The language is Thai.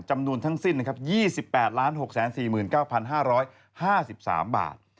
จำนูนทั้งสิ้น๒๘๖๔๙๕๕๓บาท